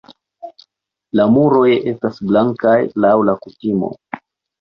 La muroj estas blankaj laŭ la kutimoj.